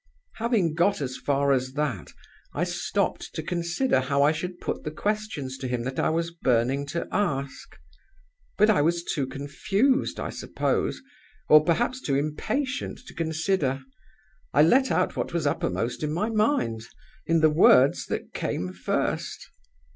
"Having got as far as that, I stopped to consider how I should put the questions to him that I was burning to ask. But I was too confused, I suppose, or perhaps too impatient to consider. I let out what was uppermost in my mind, in the words that came first.